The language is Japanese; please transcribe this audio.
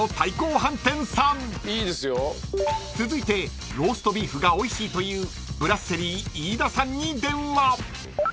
［続いてローストビーフがおいしいというブラッセリー・イイダさんに電話］